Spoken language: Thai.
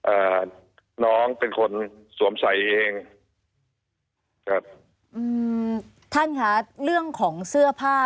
อ่าน้องเป็นคนสวมใส่เองครับอืมท่านค่ะเรื่องของเสื้อผ้า